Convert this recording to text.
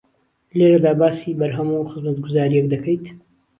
لێرەدا باسی بەرهەم و خزمەتگوزارییەک دەکەیت